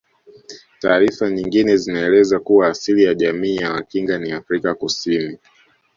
Taarifa nyingine zinaeleza kuwa asili ya jamii ya Wakinga ni Afrika Kusini